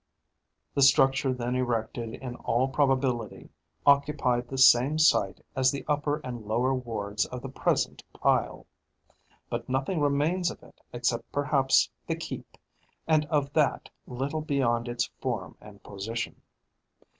The structure then erected in all probability occupied the same site as the upper and lower wards of the present pile; but nothing remains of it except perhaps the keep, and of that little beyond its form and position.